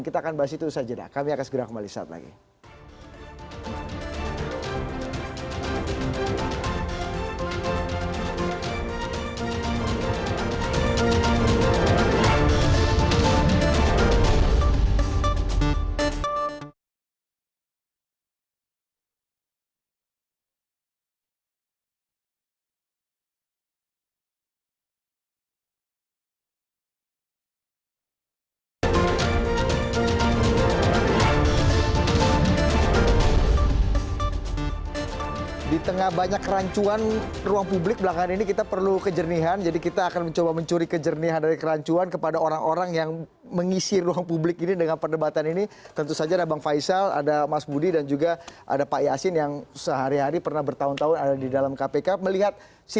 kita akan bahas itu saja kami akan segera kembali saat lagi